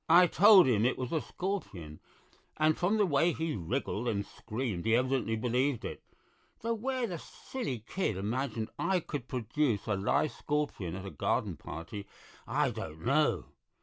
I told him it was a scorpion, and from the way he wriggled and screamed he evidently believed it, though where the silly kid imagined I could procure a live scorpion at a garden party I don't know.